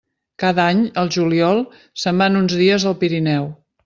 Cada any, al juliol, se'n van uns dies al Pirineu.